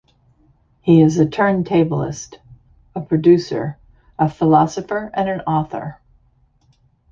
He is a turntablist, a producer, a philosopher, and an author.